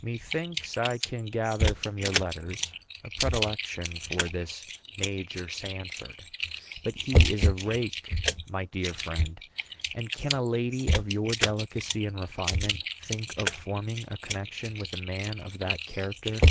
Methinks I can gather from your letters a predilection for this Major Sanford. But he is a rake, my dear friend; and can a lady of your delicacy and refinement think of forming a connection with a man of that character?